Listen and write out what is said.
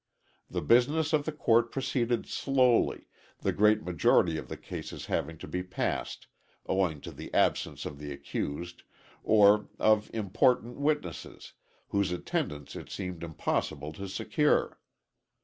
The business of the court proceeded slowly, the great majority of the cases having to be passed, owing to the absence of the accused, or of important witnesses, whose attendance it seemed impossible to secure.